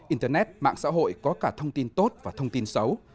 internet mạng xã hội có cả thông tin tốt và thông tin xấu